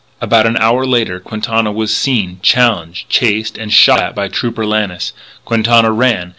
About an hour later Quintana was seen, challenged, chased and shot at by State Trooper Lannis. Quintana ran.